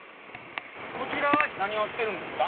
こちらは何をしてるんですか？